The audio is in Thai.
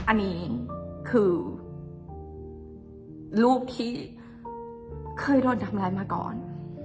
อันนี้คือรูปที่เคยโดนทำร้ายมาก่อน